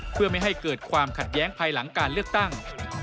เพื่อไม่ให้เกิดความขัดแย้งภายหลังการเลือกตั้ง